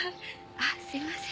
あっすいません。